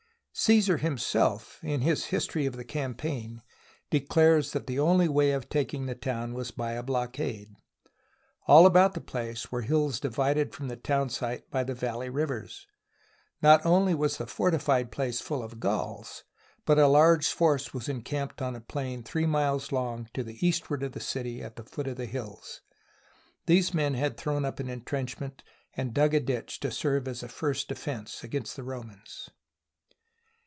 Caesar himself in his history of the campaign de clares that the only way of taking the town was by a blockade. All about the place were hills divided from the town site by the valley rivers. Not only THE BOOK OF FAMOUS SIEGES was the fortified place full of Gauls, but a large force was encamped on a plain three miles long, to the eastward of the city at the foot of the hills. These men had thrown up an intrenchment and dug a ditch to serve as a first defence against the Romans.